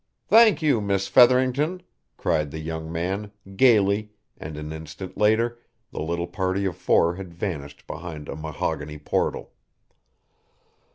"Thank you, Miss Featherington," cried the young man, gaily, and an instant later the little party of four had vanished behind a mahogany portal.